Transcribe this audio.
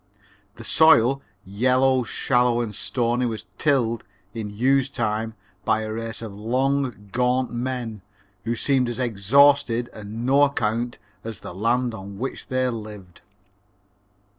The soil, yellow, shallow and stony, was tilled, in Hugh's time, by a race of long, gaunt men, who seemed as exhausted and no account as the land on which they lived."